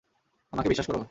আমাকে বিশ্বাস করো?